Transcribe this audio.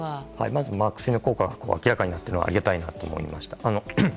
まず薬の効果が明らかになっているのを挙げたいなと思いました。